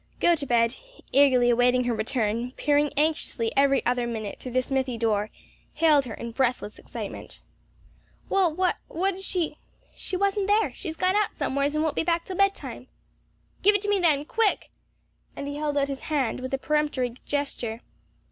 Gotobed, eagerly awaiting her return, peering anxiously every other minute through the smithy door, hailed her in breathless excitement. "Well, what what did she " "She wasn't there. She's gone out somewheres and won't be back till bedtime." "Give it to me then; quick!" and he held out his hand with a peremptory gesture.